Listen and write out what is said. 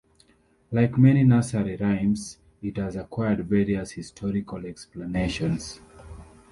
Like many nursery rhymes, it has acquired various historical explanations.